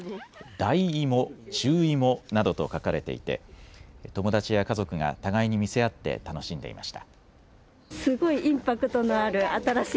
大芋、中芋などと書かれていて友達や家族が互いに見せ合って楽しんでいました。